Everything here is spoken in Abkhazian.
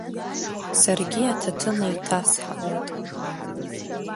Саргьы аҭаҭын еиҭасҳауеит.